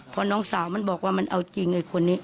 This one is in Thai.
พอน้องสาวมันบอกว่ามันเอาจริงไอ้คนนี้